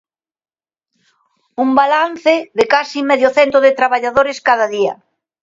Un balance de case medio cento de traballadores cada día.